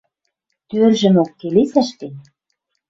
Тӧржӹмок келесӓш гӹнь